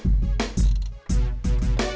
ayo di sini deh ya